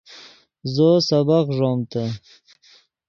زو سبق ݱومتے